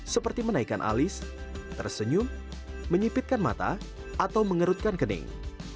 seperti menaikan alis tersenyum menyipitkan mata atau mengerutkan kening